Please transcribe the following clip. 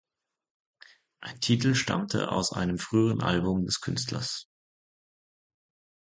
Ein Titel stammte aus einem früheren Album des Künstlers.